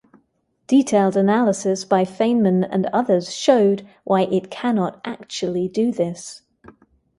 Detailed analysis by Feynman and others showed why it cannot actually do this.